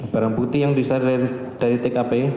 barang putih yang disediakan dari tkp